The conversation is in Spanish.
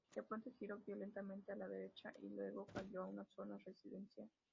De pronto giró violentamente a la derecha y luego cayó a una zona residencial.